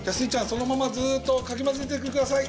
そのままずっとかきまぜててください。